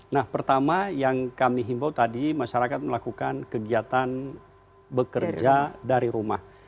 nah pertama yang kami himbau tadi masyarakat melakukan kegiatan bekerja dari rumah